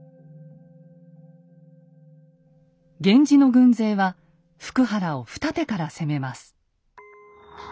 源氏の軍勢は福原を二手から攻めます。